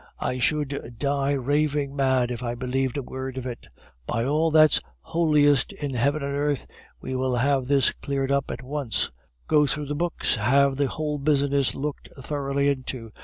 I should die raving mad if I believed a word of it. By all that's holiest in heaven and earth, we will have this cleared up at once; go through the books, have the whole business looked thoroughly into!